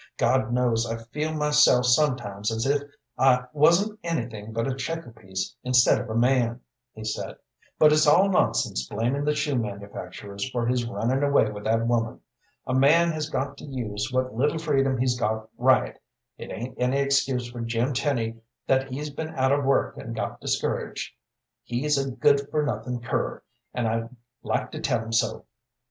God knows I feel myself sometimes as if I wasn't anything but a checker piece instead of a man," he said, "but it's all nonsense blamin' the shoe manufacturers for his runnin' away with that woman. A man has got to use what little freedom he's got right. It ain't any excuse for Jim Tenny that he's been out of work and got discouraged. He's a good for nothing cur, an' I'd like to tell him so."